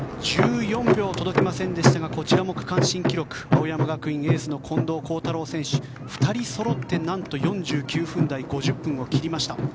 １４秒届きませんでしたがこちらも区間新記録青山学院大学エースの近藤幸太郎選手２人そろってなんと４９分台５０分を切りました。